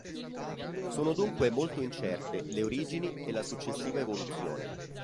Sono dunque molto incerte le origini e la successiva evoluzione.